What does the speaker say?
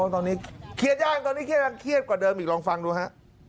ตอนนี้เครียดยากตอนนี้เครียดกว่าเดิมอีกลองฟังดูฮะ